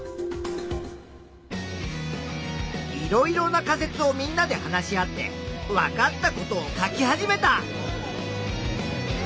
いろいろな仮説をみんなで話し合ってわかったことを書き始めた！